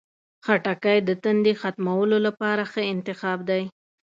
خټکی د تندې ختمولو لپاره ښه انتخاب دی.